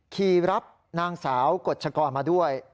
ขี่รับนางสาวกฎชกรมาด้วย